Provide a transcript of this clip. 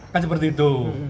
kan seperti itu